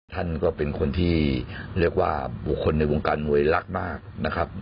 ท่านก็เป็นคนที่เรียกว่าบุคคลในวงการมวยรักมากนะครับ